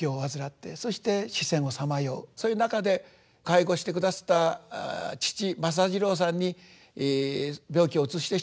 そういう中で介護して下すった父政次郎さんに病気をうつしてしまうという。